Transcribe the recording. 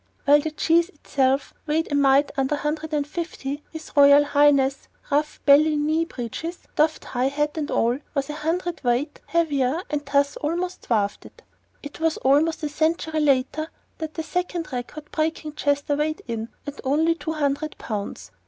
While the cheese itself weighed a mite under 150, His Royal Highness, ruff, belly, knee breeches, doffed high hat and all, was a hundred weight heavier, and thus almost dwarfed it. It was almost a century later that the second record breaking Chester weighed in, at only 200 pounds.